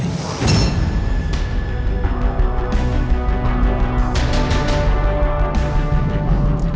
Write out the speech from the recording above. kasian kamu nek